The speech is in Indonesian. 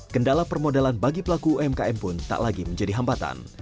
kendala permodalan bagi pelaku umkm pun tak lagi menjadi hambatan